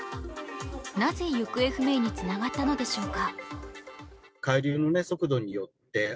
なぜ行方不明につながったのでしょうか。